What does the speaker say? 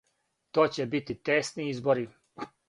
То ће бити тесни избори.